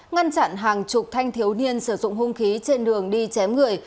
ngăn chặn hàng chục thanh thiếu niên sử dụng hung khí trên đường đi chém người